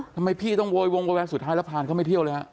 ทำไมพี่ต้องโวยวงโวยแวนสุดท้ายแล้วผ่านเขาไม่เที่ยวเลยฮะ